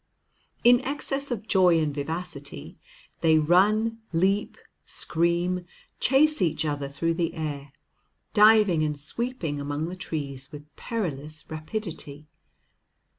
In excess of joy and vivacity, they run, leap, scream, chase each other through the air, diving and sweeping among the trees with perilous rapidity.